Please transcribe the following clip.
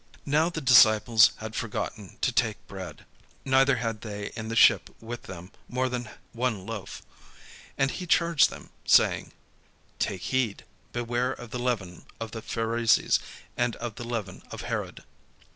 Now the disciples had forgotten to take bread, neither had they in the ship with them more than one loaf. And he charged them, saying: "Take heed, beware of the leaven of the Pharisees, and of the leaven of Herod."